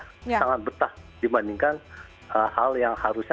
sangat betah dibandingkan hal yang harusnya